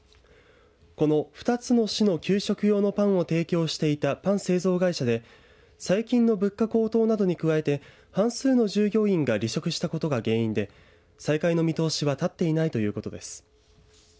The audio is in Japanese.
この２つの市の給食用のパンを提供していたパン製造会社で最近の物価高騰などに加えて半数の従業員が離職したことが原因で再開の見通しは立っていないということです。